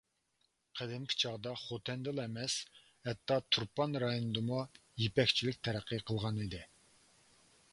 قەدىمكى چاغدا خوتەندىلا ئەمەس، ھەتتا تۇرپان رايونىدىمۇ يىپەكچىلىك تەرەققىي قىلغانىدى.